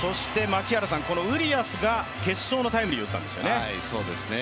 ウリアスが決勝のタイムリーを打ったんですね。